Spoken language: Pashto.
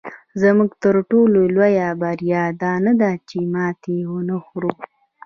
زموږ تر ټولو لویه بریا دا نه ده چې ماتې نه خورو.